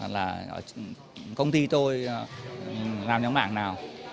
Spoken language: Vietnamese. là công ty tôi làm nhóm mạng nào